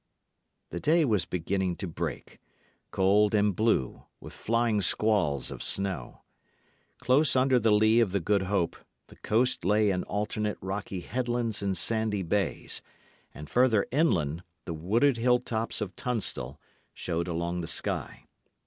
The day was beginning to break, cold and blue, with flying squalls of snow. Close under the lee of the Good Hope, the coast lay in alternate rocky headlands and sandy bays; and further inland the wooded hill tops of Tunstall showed along the sky.